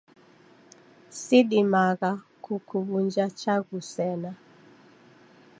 Sidimagha kukuw'unja chaghu sena.